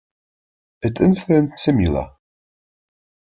It influenced Simula.